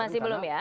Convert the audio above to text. masih belum ya